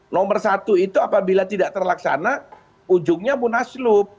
nomor satu itu apabila tidak terlaksana ujungnya munaslup